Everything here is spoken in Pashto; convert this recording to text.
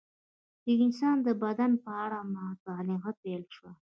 د انسان د بدن په اړه مطالعه پیل شوه.